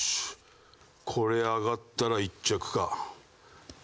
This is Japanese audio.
これアガったら１着か。